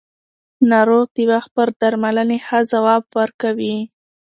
ناروغ د وخت پر درملنې ښه ځواب ورکوي